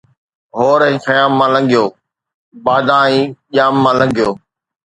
هور ۽ خيام مان لنگهيو، بادا ۽ ڄام مان لنگهيو